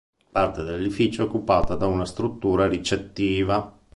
Parte dell'edificio è occupato da una struttura ricettiva.